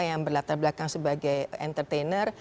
yang berlatar belakang sebagai entertainer